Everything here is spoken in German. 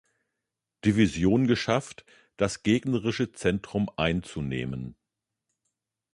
Division geschafft, das gegnerische Zentrum einzunehmen.